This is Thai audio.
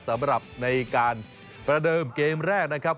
สำหรับในการประเดิมเกมแรกนะครับ